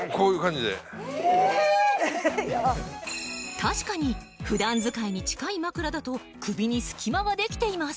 確かに普段使いに近い枕だと首に隙間が出来ています